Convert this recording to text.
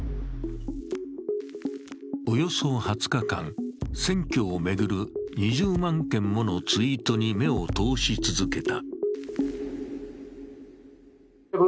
およそ２０日間、選挙を巡る２０万件ものツイートに目を通し続けた。